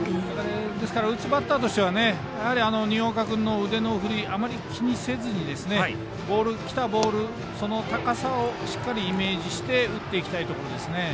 打つバッターとしては新岡君の腕の振り、あまり気にせずにきたボール、その高さをしっかりイメージして打っていきたいところですね。